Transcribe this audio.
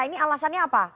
ini alasannya apa